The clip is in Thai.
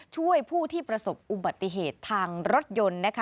ช่วยผู้ที่ประสบอุบัติเหตุทางรถยนต์นะคะ